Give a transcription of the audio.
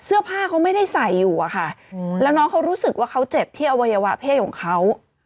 เสื้อผ้าเขาไม่ได้ใส่อยู่อะค่ะแล้วน้องเขารู้สึกว่าเขาเจ็บที่อวัยวะเพศของเขา